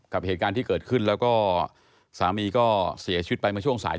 กับเหตุการณ์ที่เกิดขึ้นแล้วก็สามีก็เสียชีวิตไปเมื่อช่วงสาย